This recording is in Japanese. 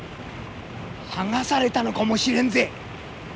はがされたのかもしれんぜ！